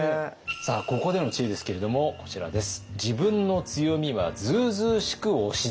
ここでの知恵ですけれどもこちらです。